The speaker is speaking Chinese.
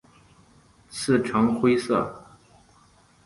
刺呈灰色。